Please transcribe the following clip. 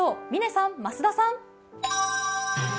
嶺さん、増田さん。